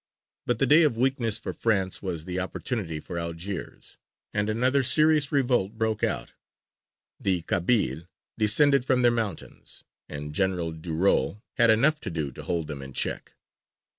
But the day of weakness for France was the opportunity for Algiers, and another serious revolt broke out; the Kabyles descended from their mountains, and Gen. Durieu had enough to do to hold them in check.